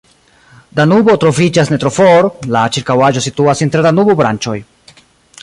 Danubo troviĝas ne tro for, la ĉirkaŭaĵo situas inter Danubo-branĉoj.